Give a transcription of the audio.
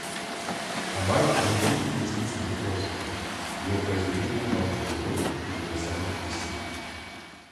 Абай был великим мыслителем и философом, его произведения полны глубоких и универсальных истин.